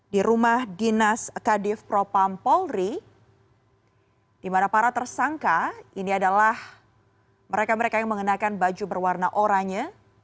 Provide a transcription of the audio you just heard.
di rumah dinas kadif propam polri di mana para tersangka ini adalah mereka mereka yang mengenakan baju berwarna oranye